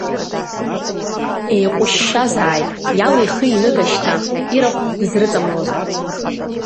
Еиҟәышьшьазааит, иалихи иныга шьҭа, ирахә дызрыҵамлозар!